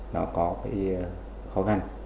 nó có cái khó khăn